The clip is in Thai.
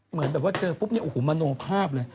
เหมือนแบบว่าเจอปุ๊บนี้โอ้โฮมนุษยภาพเลย